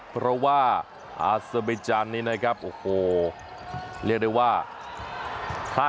เพราะว่าอาซาวิจารณ์เนี่ยนะครับโอ้โหเรียกได้ว่า๕๕